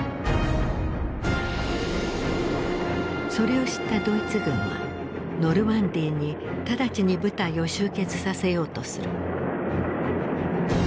それを知ったドイツ軍はノルマンディーに直ちに部隊を集結させようとする。